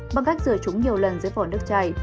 bằng cách rửa chúng nhiều lần dưới vỏ nước chảy